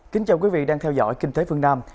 kính chào quý vị đang theo dõi kinh tế phương nam